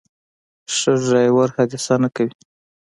ښه ډرایور حادثه نه کوي.